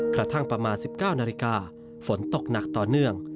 กระทั่งประมาณ๑๙นาฬิกาฝนตกหนักต่อเนื่อง